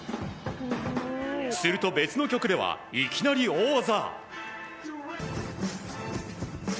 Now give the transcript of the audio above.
すると別の曲ではいきなり大技。